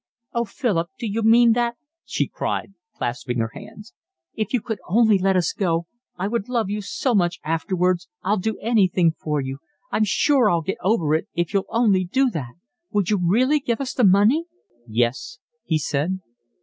"Oh, Philip, do you mean that?" she cried, clasping her hands. "If you could only let us go—I would love you so much afterwards, I'd do anything for you. I'm sure I shall get over it if you'll only do that. Would you really give us the money?" "Yes," he said.